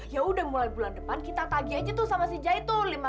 yaudah mulai bulan depan kita tagih aja tuh sama si zaitun